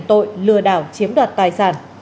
tội lừa đảo chiếm đoạt tài sản